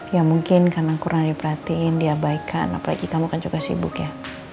ya mungkin karena kurang diperhatiin diabaikan apalagi kamu kan juga sibuk ya